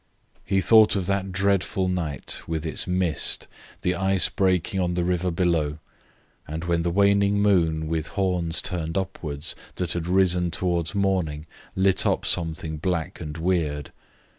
He thought of that dreadful night, with its mist, the ice breaking on the river below, and when the waning moon, with horns turned upwards, that had risen towards morning, lit up something black and weird.